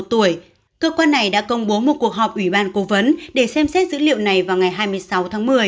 một mươi một tuổi cơ quan này đã công bố một cuộc họp ủy ban cố vấn để xem xét dữ liệu này vào ngày hai mươi sáu tháng